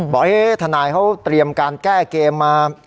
บอกว่าทนายเขาเตรียมการแก้เกม